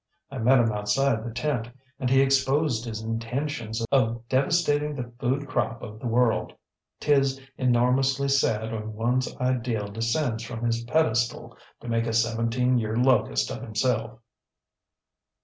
I met him outside the tent, and he exposed his intentions of devastating the food crop of the world. ŌĆÖTis enormously sad when oneŌĆÖs ideal descends from his pedestal to make a seventeen year locust of himself.